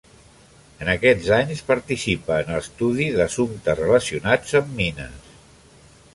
En aquests anys participa en l'estudi d'assumptes relacionats amb mines.